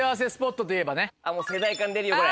もう世代観出るよこれ。